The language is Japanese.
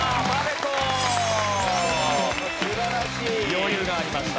余裕がありました。